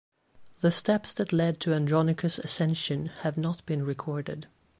The steps that led to Andronikos' ascension have not been recorded.